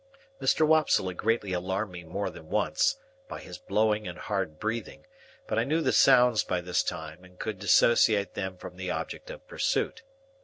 Mr. Wopsle had greatly alarmed me more than once, by his blowing and hard breathing; but I knew the sounds by this time, and could dissociate them from the object of pursuit.